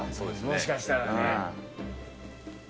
もしかしたらね。